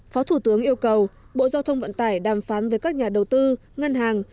phó thủ tướng yêu cầu bộ giao thông vận tải đàm phán với các nhà đầu tư ngân hàng